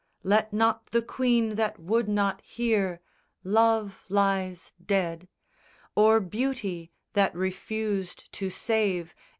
_ II _Let not the queen that would not hear, (Love lies dead!) Or beauty that refused to save.